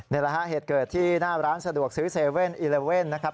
นี่แหละฮะเหตุเกิดที่หน้าร้านสะดวกซื้อ๗๑๑นะครับ